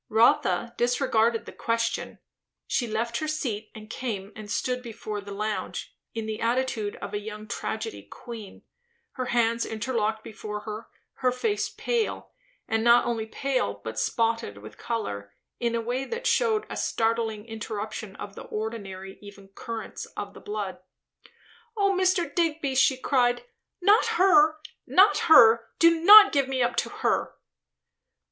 Rotha disregarded the question. She left her seat and came and stood before the lounge, in the attitude of a young tragedy queen; her hands interlocked before her, her face pale, and not only pale but spotted with colour, in a way that shewed a startling interruption of the ordinary even currents of the blood. "O Mr. Digby," she cried, "not her! not her! Do not give me up to her!"